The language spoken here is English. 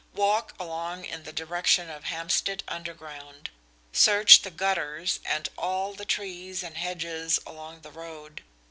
Walk along in the direction of Hampstead Underground. Search the gutters and all the trees and hedges along the road.